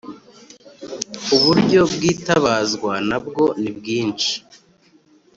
Uburyo bwitabazwa na bwo ni bwinshi.